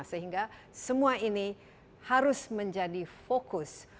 sehingga semua ini harus menjadi fokus